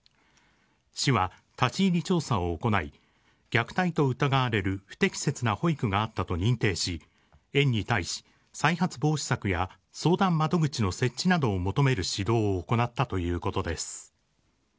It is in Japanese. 市は、立ち入り調査を行い、虐待と疑われる不適切な保育があったと認定し、園に対し、再発防止策や相談窓口の設置などを求める指導を行ったということです。